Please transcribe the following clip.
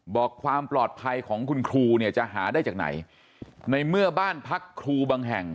บอกความปลอดภัยของคุณครูเนี่ยจะหาได้จากไหนในเมื่อบ้านพักครูบางแห่ง